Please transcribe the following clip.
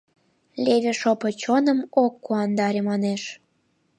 Леве шопо чоным ок куандаре, манеш.